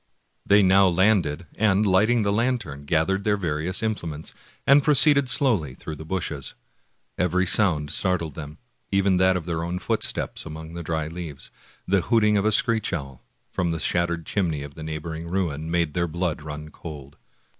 They now landed, and lighting the lantern gathered their various implements and proceeded slowly through the bushes. Every sound startled them, even that of their own footsteps among the dry leaves, and the hooting of a screech owl, from the shattered chimney of the neighboring ruin, made their blood run cold.